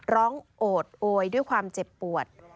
โอดโอยด้วยความเจ็บปวด